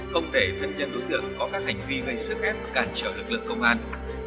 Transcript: công tế thân nhân đối tượng có các hành vi gây sức ép can trở lực lượng công an